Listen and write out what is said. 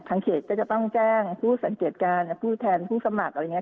ทางเขตก็จะต้องแจ้งผู้สังเกตการณ์ผู้แทนผู้สำหรับอะไรเงี้ย